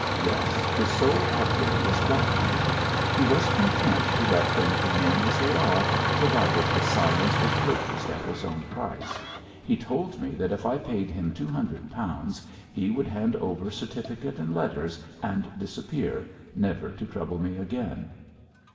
'Yes, his sole object was blackmail; he was content to let things remain as they are, provided his silence was purchased at his own price. He told me that if I paid him two hundred pounds he would hand over certificate and letters and disappear, never to trouble me again.'